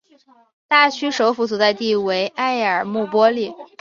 大区首府所在地为埃尔穆波利。